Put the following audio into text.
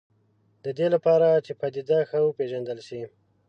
د دې لپاره چې پدیده ښه وپېژندل شي.